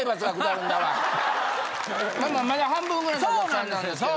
まだ半分ぐらいのお客さんなんですけども。